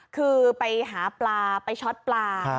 คือไปหาปลาไปช็อตปลา